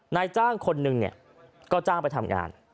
นายจ้างคนหนึ่งเนี่ยก็จ้างไปทำงาน